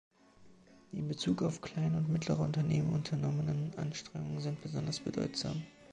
Die in Bezug auf kleine und mittlere Unternehmen unternommenen Anstrengungen sind besonders bedeutsam.